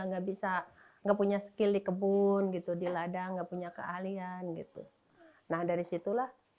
nggak bisa nggak punya skill di kebun gitu di ladang nggak punya keahlian gitu nah dari situlah